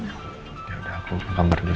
ya udah aku ke kamar besok